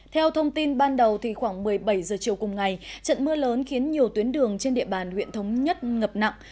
theo thông tin ban đầu khoảng một mươi bảy h chiều cùng ngày trận mưa lớn khiến nhiều tuyến đường trên địa bàn huyện thống nhất ngập nặng